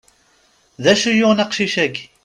D acu yuɣen aqcic-agi?